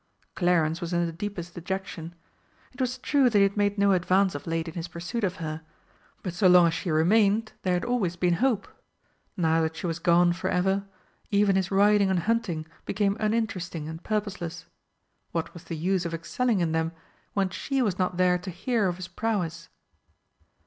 Clarence was in the deepest dejection. It was true that he had made no advance of late in his pursuit of her, but so long as she remained there had always been hope. Now that she was gone for ever, even his riding and hunting became uninteresting and purposeless. What was the use of excelling in them when she was not there to hear of his prowess?